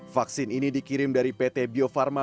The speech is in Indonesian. vaksin ini dikirim dari pt bio farma